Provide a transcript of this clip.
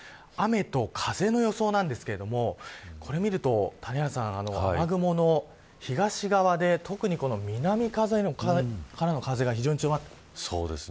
雨と風の予想なんですがこれ見ると、谷原さん雨雲の東側で特に南風、南からの風が非常に強まっています。